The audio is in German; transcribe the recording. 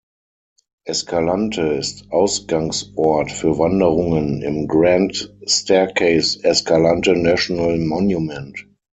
Escalante ist Ausgangsort für Wanderungen im Grand Staircase-Escalante National Monument.